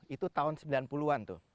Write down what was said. itu tahun sembilan puluh an tuh